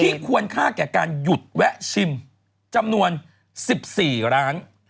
ควรค่าแก่การหยุดแวะชิมจำนวน๑๔ร้าน